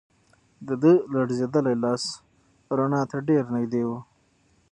د ده لړزېدلی لاس رڼا ته ډېر نږدې و.